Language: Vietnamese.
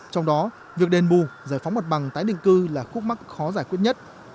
trong đó việc đền bù giải phóng mặt bằng tái định cư là khúc mắc khó giải quyết nhất